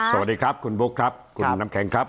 สวัสดีครับคุณบุ๊คครับคุณน้ำแข็งครับ